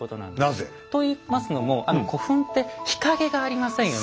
なぜ？といいますのも古墳って日陰がありませんよね。